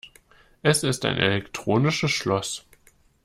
Es ist ein elektronisches Schloss.